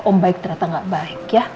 om baik ternyata gak baik ya